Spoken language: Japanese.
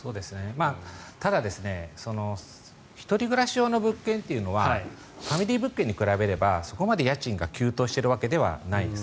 ただ１人暮らし用の物件というのはファミリー物件に比べればそこまで家賃が急騰しているわけではないです。